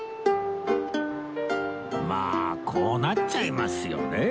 まあこうなっちゃいますよね